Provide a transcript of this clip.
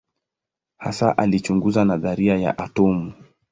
Hasa alichunguza nadharia ya atomu.